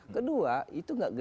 kedua itu tidak gede